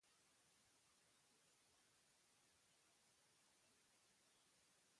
Larunbat goizaldean egoera berdina errepika daiteke.